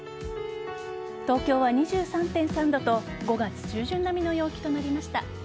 東京は２３．３度と５月中旬並みの陽気となりました。